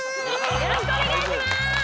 よろしくお願いします！